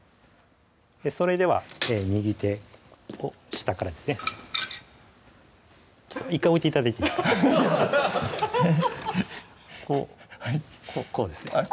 それでは右手を下からですね１回置いて頂いていいですかこうこうですねあれ？